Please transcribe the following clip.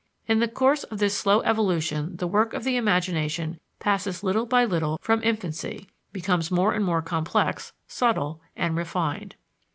In the course of this slow evolution the work of the imagination passes little by little from infancy, becomes more and more complex, subtle and refined.